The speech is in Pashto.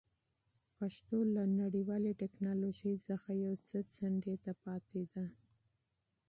پښتو له نړیوالې ټکنالوژۍ څخه یو څه څنډې ته پاتې ده.